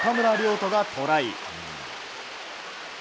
土がトライ。